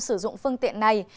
sử dụng phương tiện này